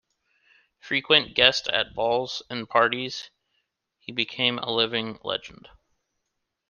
Frequent guest at balls and parties, he became a living legend.